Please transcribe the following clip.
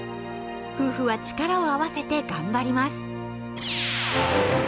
夫婦は力を合わせて頑張ります。